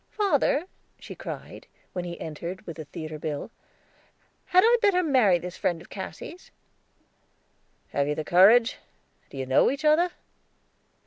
"Father," she cried, as he entered with a theater bill, "had I better marry this friend of Cassy's?" "Have you the courage? Do you know each other?"